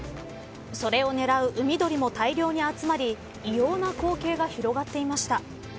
それを狙う海鳥も大量に集まり異様な光景が広がっていました。